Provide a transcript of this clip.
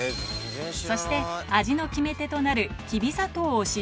そして味の決め手となるほんのり